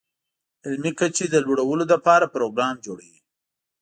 علمي کچې د لوړولو لپاره پروګرام جوړوي.